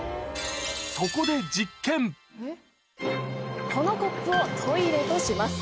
そこでこのコップをトイレとします。